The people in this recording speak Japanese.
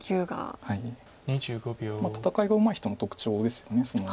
戦いがうまい人の特徴ですよね。